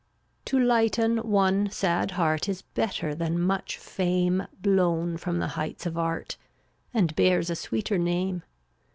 348 To lighten one sad heart Is better than much fame Blown from the heights of Art — And bears a sweeter name.